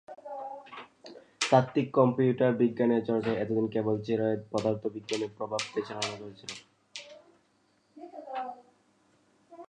তাত্ত্বিক কম্পিউটার বিজ্ঞানের চর্চায় এতদিন কেবল চিরায়ত পদার্থবিজ্ঞানের প্রভাব বিবেচনা করা হতো।